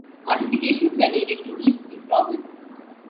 Modifications were needed to ease these problems.